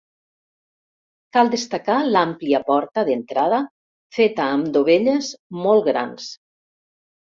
Cal destacar l'àmplia porta d'entrada feta amb dovelles molt grans.